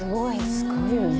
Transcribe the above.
すごいよね。